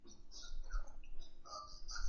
دویني ډول د احساساتو پوهه ښه کوي.